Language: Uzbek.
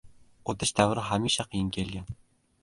O‘tish davri hamisha qiyin kelgan.